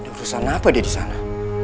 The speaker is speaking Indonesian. ni urusan apa di sana